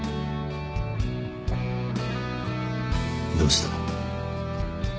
どうした？